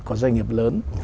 của doanh nghiệp lớn